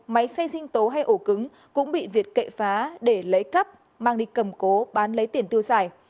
máy xây sinh tố hay ổ cứng cũng bị việt kệ phá để lấy cắp mang đi cầm cố bán lấy tiền tiêu xài